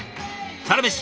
「サラメシ」